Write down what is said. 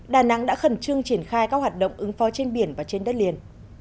đà nẵng đã khẩn trương triển khai các hoạt động ứng phó trên biển và trên đất liền